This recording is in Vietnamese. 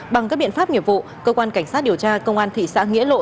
bằng các biện pháp nghiệp vụ cơ quan cảnh sát điều tra công an thị xã nghĩa lộ